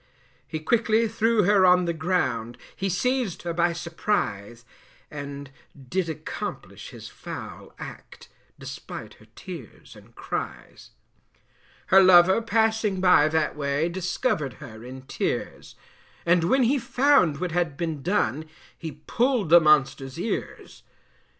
He quickly threw her on the ground, He seized her by surprise, And did accomplish his foul act, Despite her tears and cries. Her lover passing by that way, Discovered her in tears, And when he found what had been done He pulled the monster's ears.